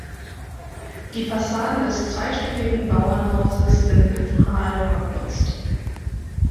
Die Fassaden des zweistöckigen Bauernhauses sind mit Harl verputzt.